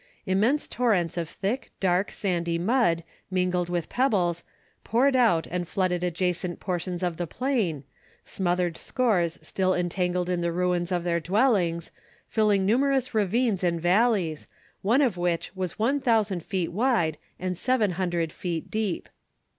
Immense torrents of thick, dark, sandy mud, mingled with pebbles, poured out and flooded adjacent portions of the plain, smothered scores still entangled in the ruins of their dwellings, filling numerous ravines and valleys, one of which was one thousand feet wide and seven hundred feet deep.